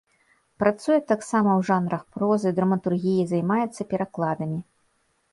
Працуе таксама ў жанрах прозы, драматургіі, займаецца перакладамі.